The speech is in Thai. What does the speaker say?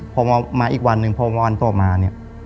พอมาอีกวันหนึ่งพอวันต่อมาเนี่ย